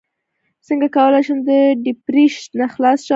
څنګه کولی شم د ډیپریشن نه خلاص شم